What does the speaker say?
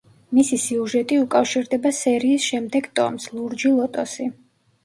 მისი სიუჟეტი უკავშირდება სერიის შემდეგ ტომს, „ლურჯი ლოტოსი“.